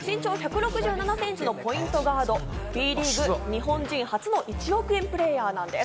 身長１６７センチのポイントガード、Ｂリーグ日本人初の１億円プレーヤーなんです。